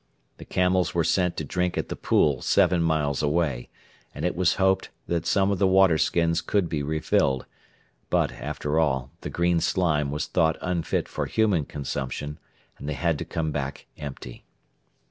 The camels were sent to drink at the pool seven miles away, and it was hoped that some of the water skins could be refilled; but, after all, the green slime was thought unfit for human consumption, and they had to come back empty.